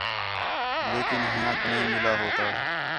لیکن ہِیّانک نَے مِلا ہو تَڑ